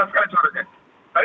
oh h kansas